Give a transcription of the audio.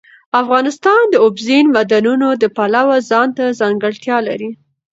افغانستان د اوبزین معدنونه د پلوه ځانته ځانګړتیا لري.